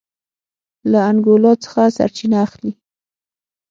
له انګولا څخه سرچینه اخلي.